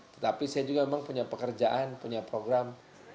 tetapi saya juga memang punya pekerjaan punya program